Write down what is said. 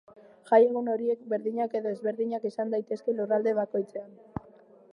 Jai egun horiek berdinak edo ezberdinak izan daitezke lurralde bakoitzean.